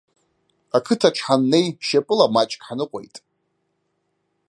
Ақыҭаҿы ҳаннеи, шьапыла маҷк ҳныҟәеит.